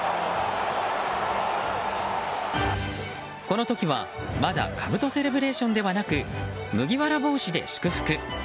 この時は、まだかぶとセレブレーションではなく麦わら帽子で祝福。